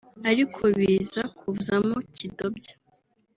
ariko biza kuzamo kidobya